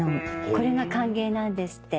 これが歓迎なんですって。